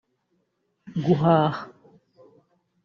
guhaha